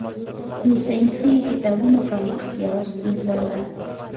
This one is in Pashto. د ساینسي کتابونو کمښت یوه ستونزه ده.